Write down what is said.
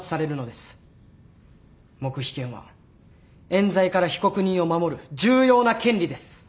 黙秘権は冤罪から被告人を守る重要な権利です。